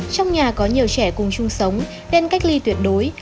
trong nhà có nhiều trẻ cùng chung sống nên cách ly tuyệt đối